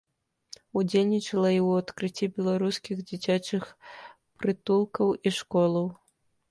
Удзельнічала ў адкрыцці беларускіх дзіцячых прытулкаў і школаў.